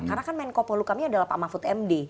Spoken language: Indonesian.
karena kan menko polu kami adalah pak mahfud md